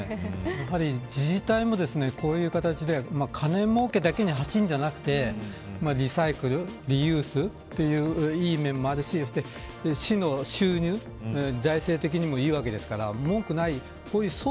やはり、自治体もこういう形で金もうけだけに走るのではなくリサイクルリユースといういい面もあるし市の収入財政的にもいいわけですから文句がないです。